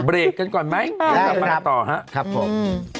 บรีกกันก่อนไหมแล้วมาต่อนะครับผม